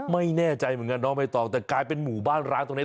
ไม่แน่ใจไม่ต้อง้าแต่กลายเป็นหมู่บ้านร้างตรงนี้